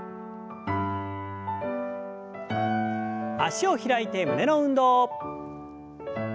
脚を開いて胸の運動。